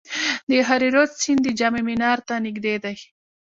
د هریرود سیند د جام منار ته نږدې دی